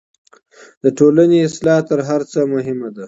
د ټولني اصلاح تر هر څه مهمه ده.